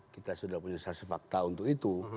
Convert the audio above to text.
kita sudah punya saksi fakta untuk itu